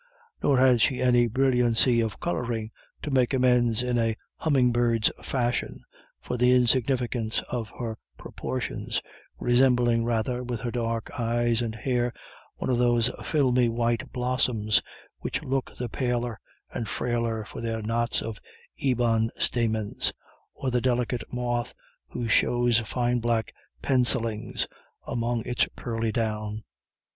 Nor had she any brilliancy of colouring to make amends in a humming bird's fashion for the insignificance of her proportions, resembling rather, with her dark eyes and hair, one of those filmy white blossoms which look the paler and frailer for their knots of ebon stamens, or the delicate moth who shows fine black pencillings among his pearly down.